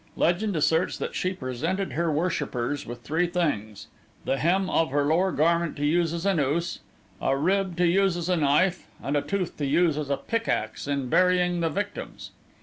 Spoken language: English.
Legend asserts that she presented her worshippers with three things, the hem of her lower garment to use as a noose, a rib to use as a knife, and a tooth to use as a pick axe in burying the victims.'"